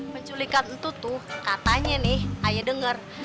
penculikan itu tuh katanya nih ayah denger